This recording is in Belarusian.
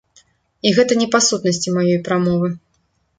І гэта не па сутнасці маёй прамовы.